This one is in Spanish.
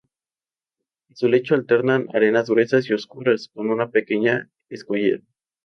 En su lecho alternan arenas gruesas y oscuras con una pequeña escollera.